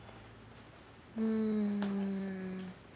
うん。